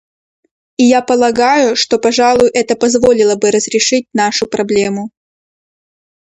И я полагаю, что, пожалуй, это позволило бы разрешить нашу проблему.